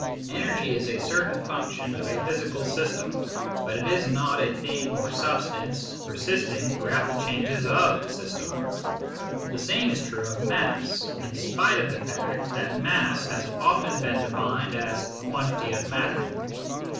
Energy is a certain function of a physical system, but is not a thing or substance per sisting throughout the changes of the system. The same is true of mass, in spite of the fact that mass has often been defined as quantity of matter.